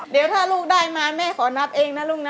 เดี๋ยวถ้าลูกได้มาแม่ขอนับเองนะลูกนะ